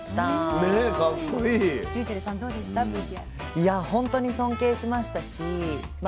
いやほんとに尊敬しましたしま